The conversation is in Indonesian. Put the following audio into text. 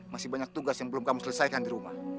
masih banyak tugas yang belum kamu selesaikan di rumah